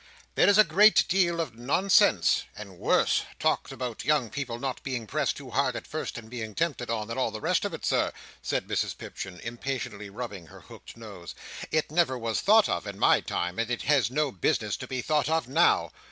"There is a great deal of nonsense—and worse—talked about young people not being pressed too hard at first, and being tempted on, and all the rest of it, Sir," said Mrs Pipchin, impatiently rubbing her hooked nose. "It never was thought of in my time, and it has no business to be thought of now.